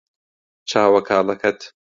چاوە کاڵەکەت